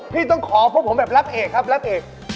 พี่ต้องขอพวกผมแบบรับเอกครับรับเอก